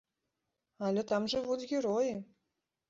Але там жывуць героі!